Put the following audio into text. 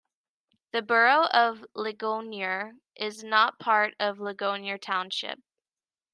The Borough of Ligonier is not part of Ligonier Township.